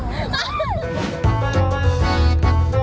โหนี่สูงสีมี